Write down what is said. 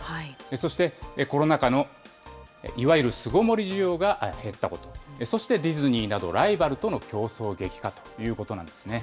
そして、コロナ禍のいわゆる巣ごもり需要が減ったこと、そしてディズニーなど、ライバルとの競争激化ということなんですね。